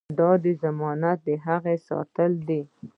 دا ضمانت د هغه ساتلو دی.